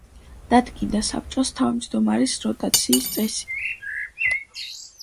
დადგინდა საბჭოს თავჯდომარის როტაციის წესი.